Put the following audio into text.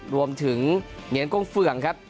รวมถึงเหงียนกว้งเฟืองครับ